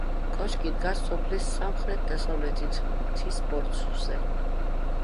კოშკი დგას სოფლის სამხრეთ-დასავლეთით მთის ბორცვზე.